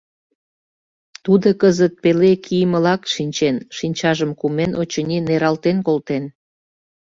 Тудо кызыт пеле кийымылак шинчен, шинчажым кумен, очыни, нералтен колтен.